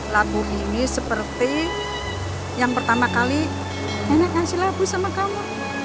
labu ini seperti yang pertama kali nek kasih labu sama kamu